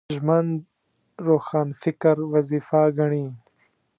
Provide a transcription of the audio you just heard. ژمن روښانفکر وظیفه ګڼي